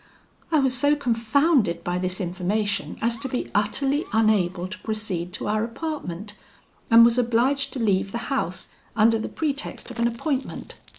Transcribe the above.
I was so confounded by this information as to be utterly unable to proceed to our apartment; and was obliged to leave the house, under the pretext of an appointment.